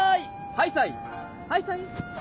ハイサイ。